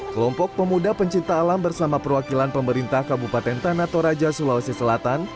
kelompok pemuda pencinta alam bersama perwakilan pemerintah kabupaten tanah toraja sulawesi selatan